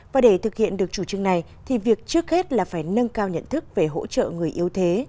và để thực hiện được chủ trương này thì việc trước hết là phải nâng cao nhận thức về hỗ trợ người yếu thế